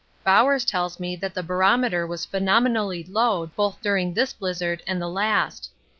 Bowers tells me that the barometer was phenomenally low both during this blizzard and the last.